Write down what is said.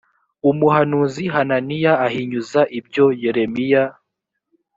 umuhanuzi hananiya ahinyuza ibyo yeremiya